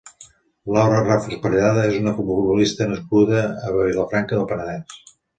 Laura Ràfols Parellada és una futbolista nascuda a Vilafranca del Penedès.